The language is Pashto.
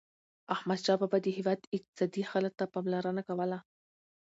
احمدشاه بابا د هیواد اقتصادي حالت ته پاملرنه کوله.